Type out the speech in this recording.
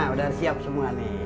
udah siap semua nih